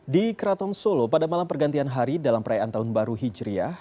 di keraton solo pada malam pergantian hari dalam perayaan tahun baru hijriah